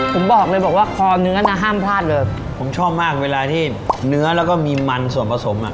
ผมบอกเลยบอกว่าคอเนื้อน่ะห้ามพลาดเลยผมชอบมากเวลาที่เนื้อแล้วก็มีมันส่วนผสมอ่ะ